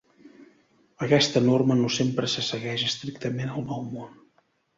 Aquesta norma no sempre se segueix estrictament al Nou Món.